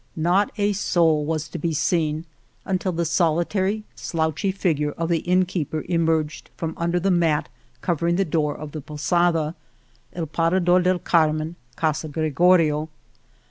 Not a soul was to be seen until the solitary, slouchy figure of the inn keeper emerged from under the mat covering the door of the posada — A/ Para dor del Carmen, Casa Gregorio.